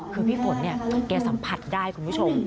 คือพี่ฝนเนี่ยแกสัมผัสได้คุณผู้ชม